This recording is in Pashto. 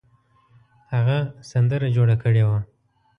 هغه سندره جوړه کړې وه.